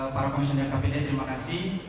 para komisioner kpk terima kasih